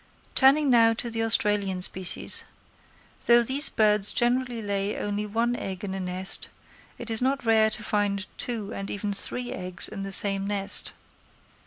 Turning now to the Australian species: though these birds generally lay only one egg in a nest, it is not rare to find two and even three eggs in the same nest.